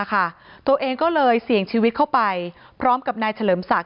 ตัวเองก็เลยเสี่ยงชีวิตเข้าไปพร้อมกับนายเฉลิมศักดิ